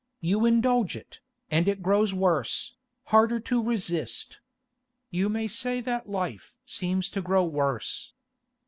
You indulge it, and it grows worse, harder to resist. You may say that life seems to grow worse.